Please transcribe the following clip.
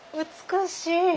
美しい。